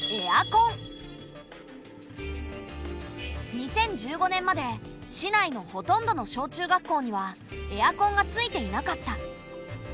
２０１５年まで市内のほとんどの小中学校にはエアコンがついていなかった。